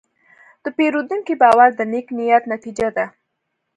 د پیرودونکي باور د نیک نیت نتیجه ده.